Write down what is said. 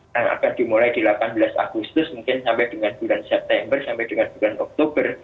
yang akan dimulai di delapan belas agustus mungkin sampai dengan bulan september sampai dengan bulan oktober